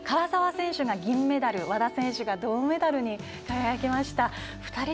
ｍＴ５１のクラスでは唐澤選手が銀メダル和田選手が銅メダルに輝きました。